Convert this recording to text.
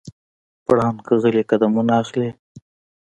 پړانګ غلی قدمونه اخلي.